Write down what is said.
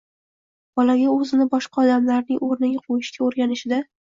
bolaga o‘zini boshqa odamlarning o‘rniga qo‘yishga o‘rganishida